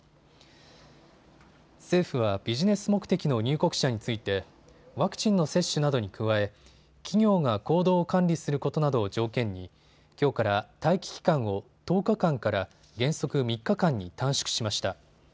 政府はビジネス目的の入国者についてワクチンの接種などに加え企業が行動を管理することなどを条件にきょうから待機期間を１０日間から原則３日間に短縮しました。